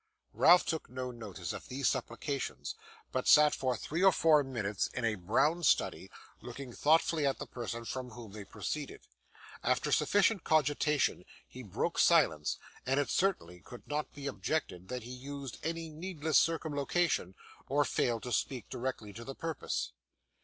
Ralph took no notice of these supplications, but sat for three or four minutes in a brown study, looking thoughtfully at the person from whom they proceeded. After sufficient cogitation he broke silence, and it certainly could not be objected that he used any needless circumlocution, or failed to speak directly to the purpose.